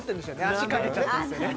足かけちゃってるんですよね・